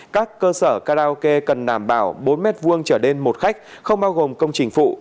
các cơ sở karaoke cần đảm bảo bốn m hai trở lên một khách không bao gồm công trình phụ